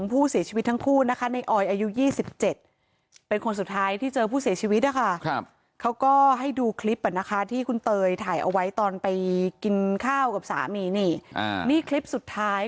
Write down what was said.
พระเทียวนี่ก็บอกว่าเสียบุญบ้าน